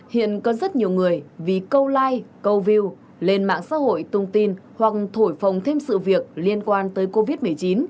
hiện có rất nhiều người vì câu like câu view lên mạng xã hội tung tin hoặc thổi phồng thêm sự việc liên quan tới covid một mươi chín